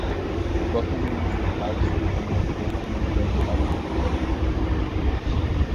প্রথম ইনিংসে third slip অঞ্চলে দর্শনীয় ক্যাচ তালুবন্দী করেন তিনি।